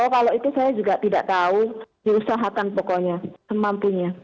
kalau itu saya juga tidak tahu diusahakan pokoknya semampunya